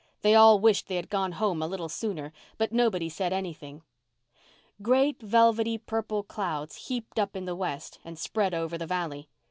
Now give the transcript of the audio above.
They all wished they had gone home a little sooner, but nobody said anything. Great, velvety, purple clouds heaped up in the west and spread over the valley.